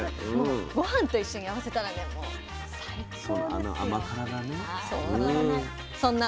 もうごはんと一緒に合わせたらねもう最高ですよ。